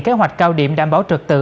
kế hoạch cao điểm đảm bảo trực tự